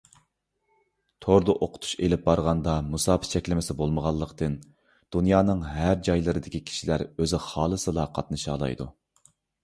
توردا ئوقۇتۇش ئېلىپ بارغاندا مۇساپە چەكلىمىسى بولمىغانلىقتىن، دۇنيانىڭ ھەر جايلىرىدىكى كىشىلەر ئۆزى خالىسىلا قاتنىشالايدۇ.